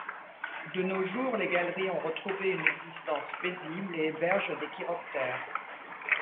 De nos jours, les galeries ont retrouvé une existence paisible et hébergent des chiroptères.